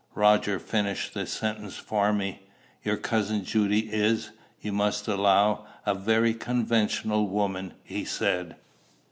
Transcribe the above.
Roger finished the sentence for me. "Your cousin Judy is, you must allow, a very conventional woman," he said.